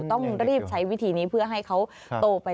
ต้องรีบใช้วิธีนี้เพื่อให้เขาโตไป